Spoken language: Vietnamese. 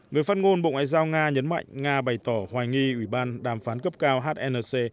người phát ngôn bộ ngoại giao nga nhấn mạnh nga bày tỏ hoài nghi ủy ban đàm phán cấp cao hnc